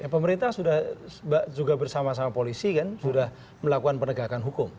pemerintah sudah juga bersama sama polisi kan sudah melakukan penegakan hukum